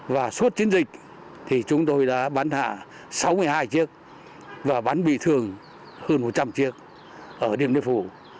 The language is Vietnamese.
và suốt chiến dịch thì chúng tôi đã bắn hạ sáu mươi hai chiếc và bắn bị thương hơn một trăm linh chiếc ở điện biên phủ